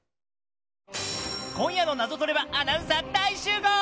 今夜の「ナゾトレ」はアナウンサー大集合。